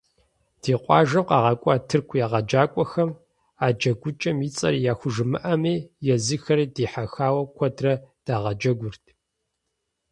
Ди къуажэм къагъэкӀуа тырку егъэджакӀуэхэм а джэгукӏэм и цӀэр яхужымыӏэми, езыхэри дихьэхауэ куэдрэ дагъэджэгурт.